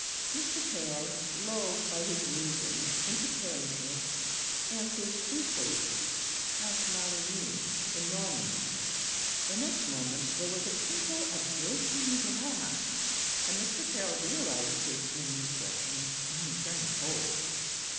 Mr. Caryll lulled by his musings into carelessness, answered truthfully, "At Maligny, in Normandy." The next moment there was a tinkle of breaking glass, and Mr. Caryll realized his indiscretion and turned cold.